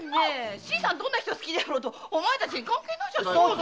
新さんがどんな人を好きだろうとお前たちに関係ないじゃないか。